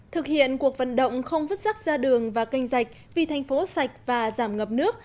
thực hiện cuộc vận động không vứt rắc ra đường và canh rạch vì thành phố sạch và giảm ngập nước